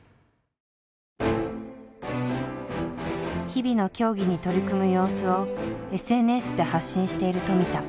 日々の競技に取り組む様子をＳＮＳで発信している富田。